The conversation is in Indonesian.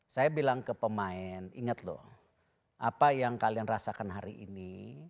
saya bilang ke pemain ingat loh apa yang kalian rasakan hari ini